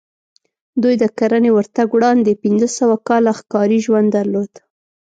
دوی د کرنې ورتګ وړاندې پنځه سوه کاله ښکاري ژوند درلود